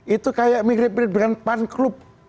itu kayak mirip mirip dengan pan club